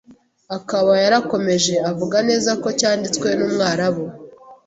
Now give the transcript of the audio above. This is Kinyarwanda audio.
akaba yarakomeje avuga neza ko cyanditswe n’umwarabu